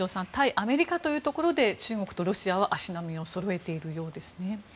アメリカというところで中国とロシアは、足並みをそろえているようですね。